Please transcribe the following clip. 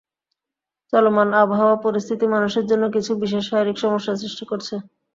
চলমান আবহাওয়া পরিস্থিতি মানুষের জন্য কিছু বিশেষ শারীরিক সমস্যা সৃষ্টি করছে।